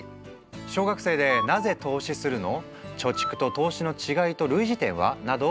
小学生で「なぜ投資するの？」「貯蓄と投資の違いと類似点は？」などを学ぶそう。